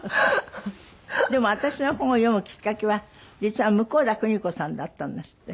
でも私の本を読むきっかけは実は向田邦子さんだったんですって？